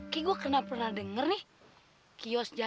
kayak gue pernah denger nih